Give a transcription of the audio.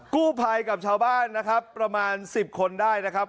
กู้ภัยกับชาวบ้านนะครับประมาณ๑๐คนได้นะครับ